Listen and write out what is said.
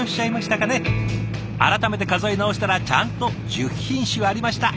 改めて数え直したらちゃんと１０品種ありました！